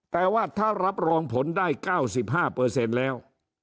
แต่ว่าถ้ารับรองผลได้๙๕แล้ว